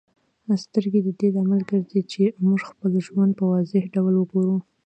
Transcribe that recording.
سترګې د دې لامل کیږي چې موږ خپل ژوند په واضح ډول وګورو.